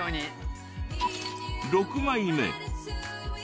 ６枚目。